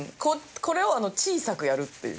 これを小さくやるっていう。